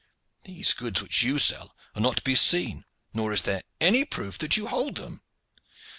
These goods which you sell are not to be seen, nor is there any proof that you hold them.